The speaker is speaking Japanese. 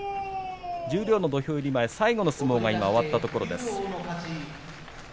十両の土俵入り前最後の相撲が終わったところです。